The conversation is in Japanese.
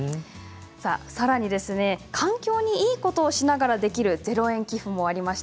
さらに環境にいいことをしながらできる０円寄付もあります。